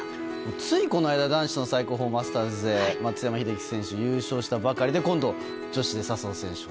ついこの間男子の最高峰マスターズで松山英樹選手が優勝したばかりで今度は女子で笹生選手が。